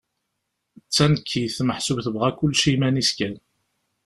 D tanekkit, meḥsub tebɣa kullec i iman-is kan.